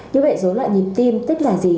như vậy dối loạn nhịp tim tức là gì